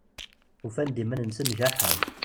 Ufan-d iman-nsen jaḥen.